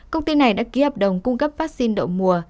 công ty này đã ký hợp đồng cung cấp vaccine đậu mùa